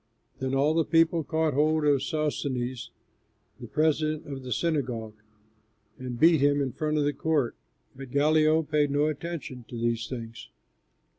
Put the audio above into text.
Then all the people caught hold of Sosthenes, the president of the synagogue, and beat him in front of the court; but Gallio paid no attention to these things.